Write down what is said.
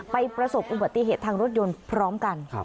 ประสบอุบัติเหตุทางรถยนต์พร้อมกัน